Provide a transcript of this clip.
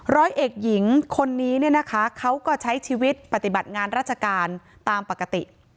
ร้อยเอกหญิงคนนี้เนี่ยนะคะเขาก็ใช้ชีวิตปฏิบัติงานราชการตามปกติ